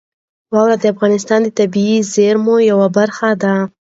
واوره د افغانستان د طبیعي زیرمو یوه برخه ده.